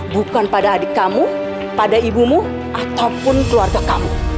bukan pada adik kamu pada ibumu ataupun keluarga kamu